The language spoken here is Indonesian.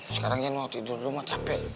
sekarang iya nge tidur dulu mah capek